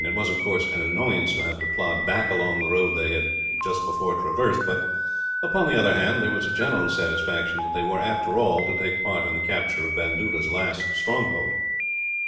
It was, of course, an annoyance to have to plod back along the road they had before traversed but, upon the other hand, there was a general satisfaction that they were, after all, to take part in the capture of Bandoola's last stronghold.